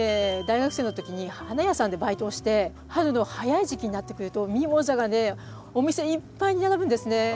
大学生の時に花屋さんでバイトをして春の早い時期になってくるとミモザがねお店いっぱいに並ぶんですね。